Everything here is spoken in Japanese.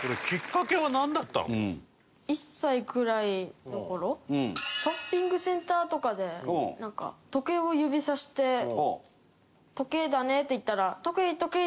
１歳ぐらいの頃ショッピングセンターとかでなんか時計を指さして「時計だね」って言ったら「トケイトケイ！」